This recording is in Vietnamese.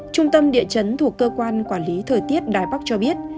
trung tâm địa chấn thuộc cơ quan quản lý thời tiết đài bắc cho biết